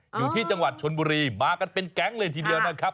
อยู่ที่จังหวัดชนบุรีมากันเป็นแก๊งเลยทีเดียวนะครับ